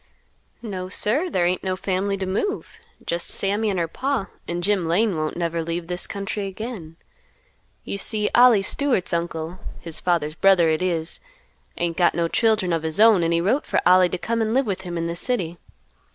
"No, sir, there ain't no family to move. Just Sammy and her Pa, and Jim Lane won't never leave this country again. You see Ollie Stewart's uncle, his father's brother it is, ain't got no children of his own, and he wrote for Ollie to come and live with him in the city.